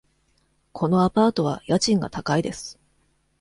このアパートは家賃が高いです。